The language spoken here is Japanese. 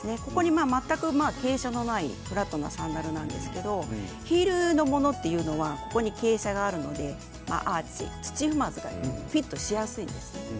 全く傾斜のないフラットなサンダルですけどヒールのものというのはここに傾斜があるのでアーチ、土踏まずがフィットしやすいんです。